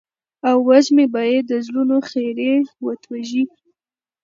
او وږمې به يې د زړونو خيري وتوږي.